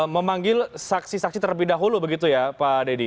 memanggil saksi saksi terlebih dahulu begitu ya pak dedy